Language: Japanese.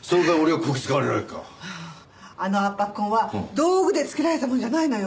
あの圧迫痕は道具で付けられたものじゃないのよ。